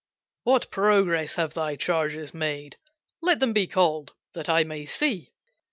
"What progress have thy charges made? Let them be called, that I may see."